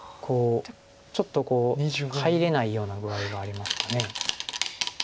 ちょっとこう入れないような具合がありますか。